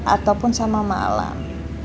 ataupun sama malam